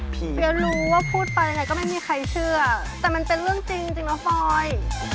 เดี๋ยวรู้ว่าพูดไปยังไงก็ไม่มีใครเชื่อแต่มันเป็นเรื่องจริงเนาะฟอย